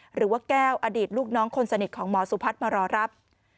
หรือว่าแก้วอดีตลูกน้องคนสนิทของหมอสุพัฒน์มารอรับ